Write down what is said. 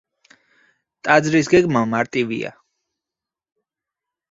ტაძრის გეგმა მარტივია.